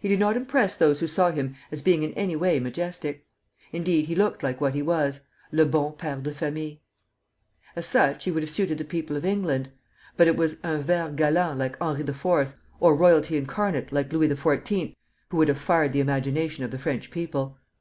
He did not impress those who saw him as being in any way majestic; indeed, he looked like what he was, le bon père de famille. As such he would have suited the people of England; but it was un vert galant like Henri IV., or royalty incarnate, like Louis XIV., who would have fired the imagination of the French people.